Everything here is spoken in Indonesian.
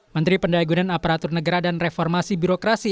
menteri pendayagunan aparatur negara dan reformasi birokrasi